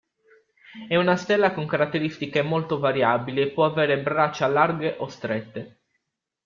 È una stella con caratteristiche molto variabili e può avere braccia larghe o strette.